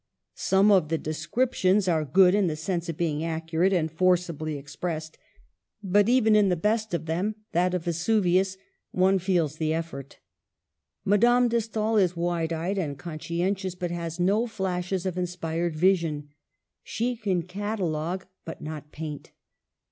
Some of the descriptions are good in the sense of being accurate and forcibly expressed. But even in the best of them — that of Vesuvius — one feels the effort. Madame de Stael is wide eyed and conscientious, but has no flashes of inspired vision. She can catalogue but not paint.